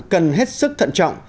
cần hết sức thận trọng